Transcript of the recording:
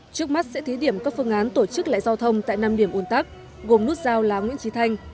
trước mắt sẽ thí điểm các phương án tổ chức lại giao thông tại năm điểm ồn tắc gồm nút giao lá nguyễn trí thanh